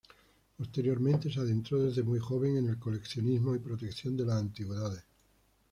Posteriormente se adentró desde muy joven al coleccionismo y protección de las antigüedades.